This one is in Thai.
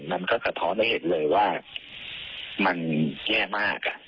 มันก็สะท้อนให้เห็นเลยว่ามันแย่มาก